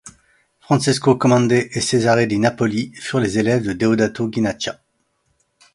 Francesco Comandè et Cesare di Napoli furent les élèves de Deodato Guinaccia.